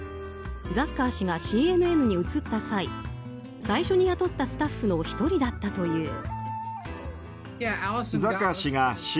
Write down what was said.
ザッカー氏がＣＮＮに移った際最初に雇ったスタッフの１人だったという。